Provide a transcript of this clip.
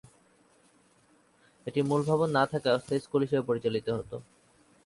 এটির মূল ভবন না থাকায় অস্থায়ী স্কুল হিসেবে পরিচালিত হতো।